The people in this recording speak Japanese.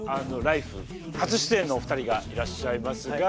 初出演のお二人がいらっしゃいますが。